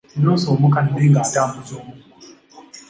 Ndoose omukadde nga atambuza omuggo.